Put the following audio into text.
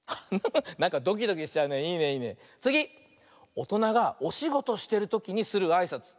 おとながおしごとしてるときにするあいさつ。